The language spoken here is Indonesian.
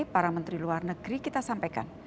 para menteri luar negeri kita sampaikan